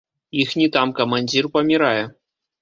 Іхні там камандзір памірае.